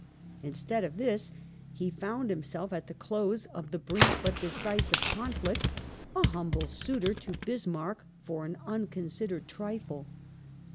Instead of this he found himself at the close of the brief but decisive conflict a humble suitor to Bismarck for an un considered trifle.